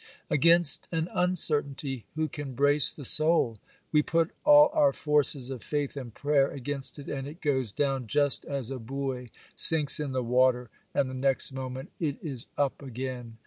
Against an uncertainty who can brace the soul? We put all our forces of faith and prayer against it, and it goes down just as a buoy sinks in the water, and the next moment it is up again.